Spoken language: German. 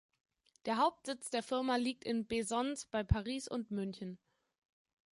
Der Hauptsitz der Firma liegt in Bezons bei Paris und München.